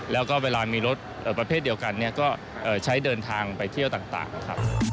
แล้วก็เวลามีรถประเภทเดียวกันก็ใช้เดินทางไปเที่ยวต่างนะครับ